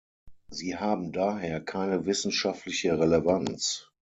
Sie haben daher keine wissenschaftliche Relevanz.